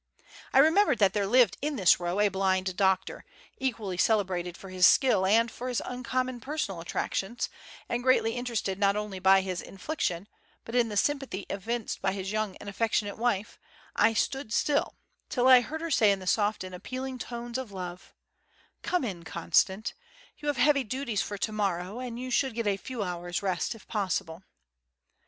I remembered that there lived in this row a blind doctor, equally celebrated for his skill and for his uncommon personal attractions, and greatly interested not only by his affliction, but in the sympathy evinced by his young and affectionate wife, I stood still, till I heard her say in the soft and appealing tones of love: "Come in, Constant; you have heavy duties for to morrow, and you should get a few hours' rest if possible."